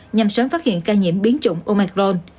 nhằm sớm phát hiện ca nhiễm biến chủng omicron